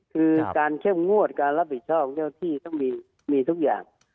คือการเข้มงวดการรับผิดชอบของเจ้าที่ต้องมีทุกอย่าง